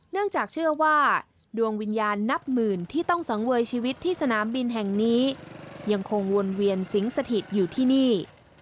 เนื่องจากเชื่อว่าดวงวิญญาณนับหมื่นที่ต้องสังเวยชีวิตที่สนามบินแห่งนี้ยังคงวนเวียนสิงสถิตอยู่ที่นี่